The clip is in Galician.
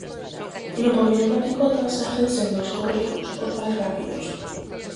No pavillón da Picota seguen sendo os gorrións os máis rápidos.